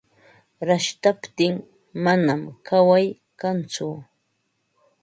Rashtaptin manam kaway kantsu.